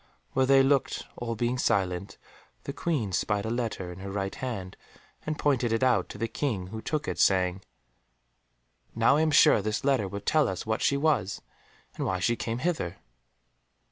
While they looked, all being silent, the Queen spied a letter in her right hand, and pointed it out to the King, who took it saying, "Now I am sure this letter will tell us what she was, and why she came hither."